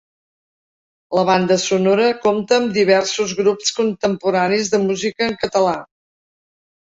La banda sonora compta amb diversos grups contemporanis de música en català.